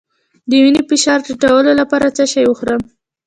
د وینې فشار ټیټولو لپاره څه شی وخورم؟